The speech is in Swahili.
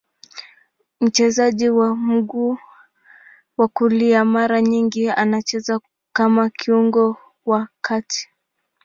Mchezaji wa mguu ya kulia, mara nyingi anacheza kama kiungo wa kati.